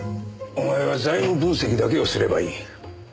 お前は財務分析だけをすればいい。